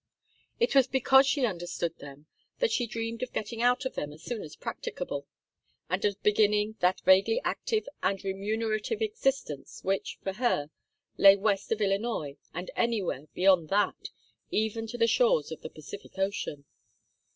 It was because she understood them that she dreamed of getting out of them as soon as practicable, and of beginning that vaguely active and remunerative existence which, for her, lay west of Illinois and anywhere beyond that, even to the shores of the Pacific Ocean.